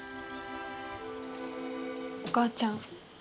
お母ちゃん